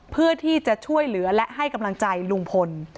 เพื่อที่จะช่วยเหลือและให้กำลังใจลุงพล